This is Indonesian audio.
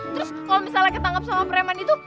terus kalau misalnya ketangkep sama preman itu